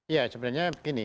ya sebenarnya begini